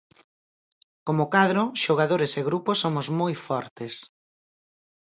Como cadro, xogadores e grupo somos moi fortes.